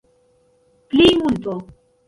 plejmulto